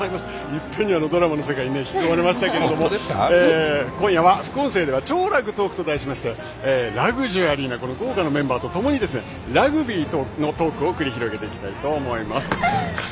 一気にドラマの世界に引き込まれましたが副音声では「超ラグトーク！」と題しましてラグジュアリーな豪華なメンバーとともにラグビートークを繰り広げていきたいと思います。